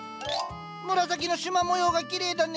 紫のしま模様がきれいだね。